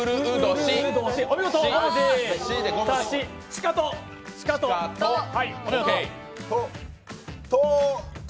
しかと。